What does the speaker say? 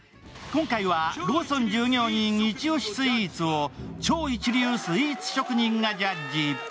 今回はローソン従業員イチ押しスイーツを超一流スイーツ職人がジャッジ。